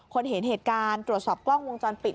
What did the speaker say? เห็นเหตุการณ์ตรวจสอบกล้องวงจรปิด